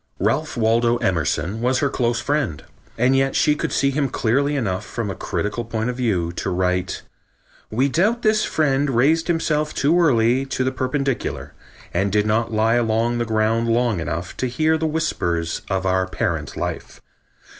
Ralph Waldo Emerson was her close friend, and yet she could see him clearly enough from a critical point of view to write: "We doubt this friend raised himself too early to the perpendicular, and did not lie along the ground long enough to hear the whispers of our parent life.